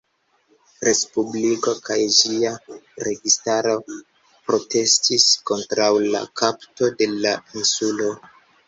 Respubliko kaj ĝia registaro protestis kontraŭ la kapto de la insulo.